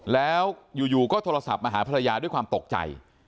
แล้วอยู่ก็โทรศัพท์มาหาภรรยาด้วยความตกใจ